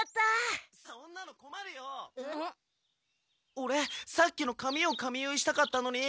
オレさっきの髪を髪結いしたかったのに。